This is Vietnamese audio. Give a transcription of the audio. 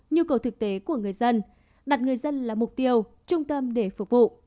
nhu cầu thực tế của người dân đặt người dân là mục tiêu trung tâm để phục vụ